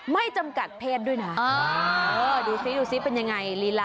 ไม่จำกัดเพศด้วยนะ